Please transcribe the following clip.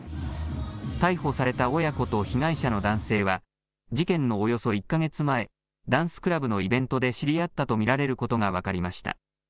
逮捕された親子と被害者の男性は、事件のおよそ１か月前、ダンスクラブのイベントで知り合ったと見られることが分かりました。